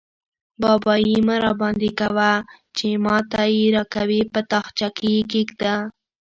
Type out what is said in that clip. بابايي مه راباندې کوه؛ چې ما ته يې راکوې - په تاخچه کې يې کېږده.